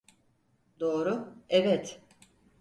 Doğru, evet.